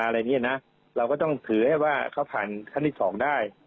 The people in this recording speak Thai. เราก็ต้องถือให้ว่าเขาผ่านทั้งที่๒ได้